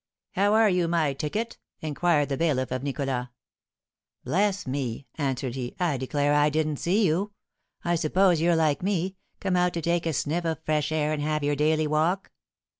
"How are you, my ticket?" inquired the bailiff of Nicholas. "Bless me!" answered he; "I declare I didn't see you. I suppose you're like me, come out to take a sniff of fresh air and have your daily walk?"